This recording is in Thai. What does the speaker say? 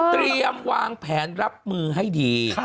เตรียมวางแผนรับมือให้ดี